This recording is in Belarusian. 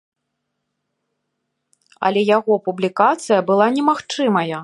Але яго публікацыя была немагчымая.